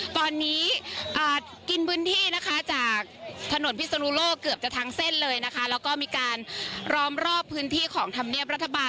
ตอนนี้กินพื้นที่นะคะจากถนนพิศนุโลกเกือบจะทั้งเส้นเลยนะคะแล้วก็มีการล้อมรอบพื้นที่ของธรรมเนียบรัฐบาล